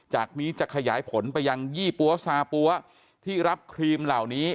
จากนี้จะขยายผลไปยังยี่ปั๊วซาปั๊วที่รับครีมเหล่านี้